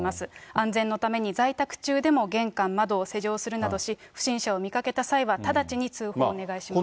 安全のために在宅中でも玄関、窓を施錠するなどし、不審者を見かけた際は直ちに通報をお願いしますと。